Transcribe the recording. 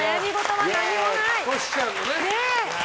トシちゃんのね。